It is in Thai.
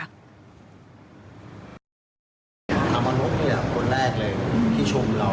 อามานพเนี่ยคนแรกเลยที่ชมเรา